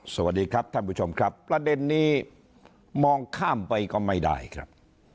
สวัสดีครับท่านผู้ชมครับประเด็นนี้มองข้ามไปก็ไม่ได้ครับ